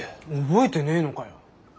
覚えてねえのかよ。